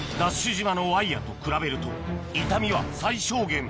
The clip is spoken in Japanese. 島のワイヤと比べると傷みは最小限